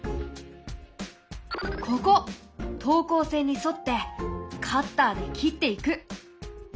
ここ等高線に沿ってカッターで切っていく！